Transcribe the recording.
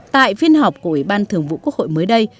tại phiên họp của ủy ban thường vụ quốc hội mới đây